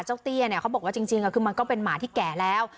เตี้ยเนี่ยเขาบอกว่าจริงคือมันก็เป็นหมาที่แก่แล้ว